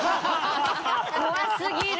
怖すぎる！